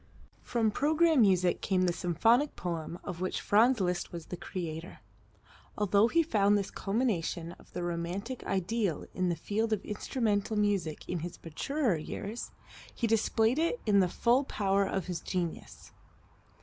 From programme music came the symphonic poem of which Franz Liszt was the creator. Although he found this culmination of the romantic ideal in the field of instrumental music in his maturer years, he displayed in it the full power of his genius.